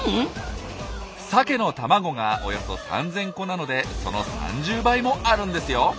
サケの卵がおよそ３，０００個なのでその３０倍もあるんですよ。